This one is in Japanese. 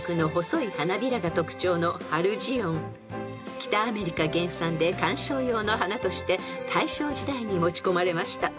［北アメリカ原産で観賞用の花として大正時代に持ち込まれました］